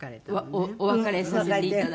お別れさせていただいて。